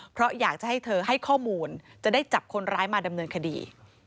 เพราะอยากจะให้เธอให้ข้อมูลจะได้จับคนร้ายมาดำเนินคดี